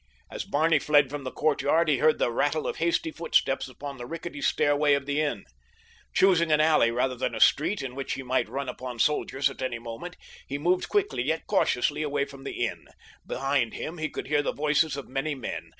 As Barney fled from the courtyard he heard the rattle of hasty footsteps upon the rickety stairway of the inn. Choosing an alley rather than a street in which he might run upon soldiers at any moment, he moved quickly yet cautiously away from the inn. Behind him he could hear the voices of many men.